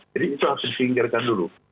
jadi itu harus disingkirkan dulu